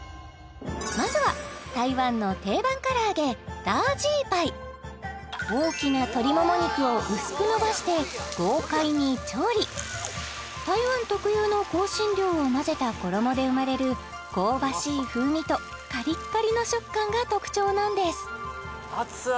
まずは台湾の定番唐揚げ大鶏排大きな鶏もも肉を薄くのばして豪快に調理台湾特有の香辛料を混ぜた衣で生まれる香ばしい風味とカリッカリの食感が特徴なんです熱々！